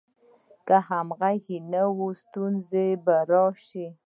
که همغږي نه وي، ستونزې به راشي.